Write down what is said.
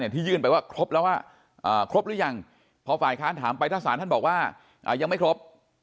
ที่ยื่นไปว่าครบรึยังพอไปถามไปท่าสารบอกว่ายังไม่ครบ